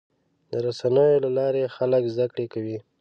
د رسنیو له لارې خلک زدهکړه کوي.